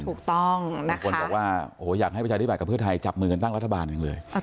ทุกคนบอกว่าโอ้โหอยากให้ประชาธิบัตกับเพื่อไทยจับมือกันตั้งรัฐบาลเองเลย